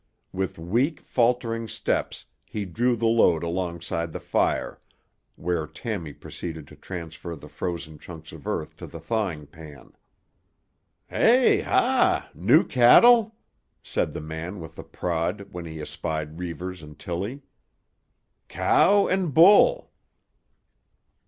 With weak, faltering steps he drew the load alongside the fire, where Tammy proceeded to transfer the frozen chunks of earth to the thawing pan. "Eh, hah! New cattle?" said the man with the prod when he espied Reivers and Tillie. "Cow and bull."